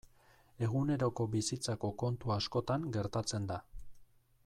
Eguneroko bizitzako kontu askotan gertatzen da.